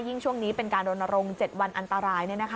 ยิ่งช่วงนี้เป็นการโดนโรง๗วันอันตราย